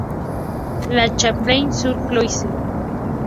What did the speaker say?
La Chapelle-sur-Coise